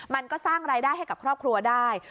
มันก็สร้างรายได้ให้กับครอบครัวได้